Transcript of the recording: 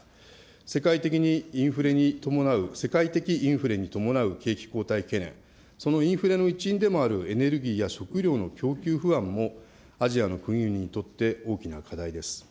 世界的にインフレに伴う世界的インフレに伴う景気後退懸念、そのインフレの一因でもあるエネルギーや食料の供給不安もアジアの国々にとって大きな課題です。